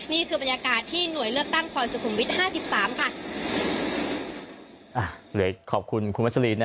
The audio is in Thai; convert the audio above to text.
นี่คือบรรยากาศที่หน่วยเลือกตั้งสอยสุขุมวิท๕๓ค่ะ